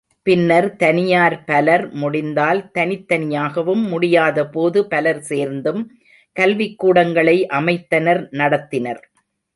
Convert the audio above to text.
பின்னர் தனியார் பலர், முடிந்தால் தனித்தனியாகவும், முடியாத போது பலர் சேர்ந்தும், கல்விக்கூடங்களை அமைத்தனர் நடத்தினர்.